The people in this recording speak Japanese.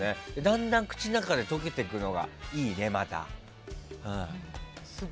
だんだん口の中で溶けていくのがいいね、また。